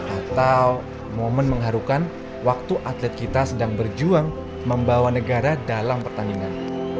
atau momen mengharukan waktu atlet kita sedang berjuang membawa negara dalam pertandingan